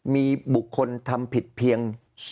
มีบุคคลทำผิดเพียง